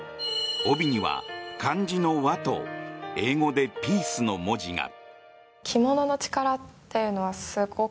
帯には漢字の「和」と英語で「Ｐｅａｃｅ」の文字が。